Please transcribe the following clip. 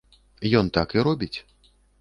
Ён так і робіць.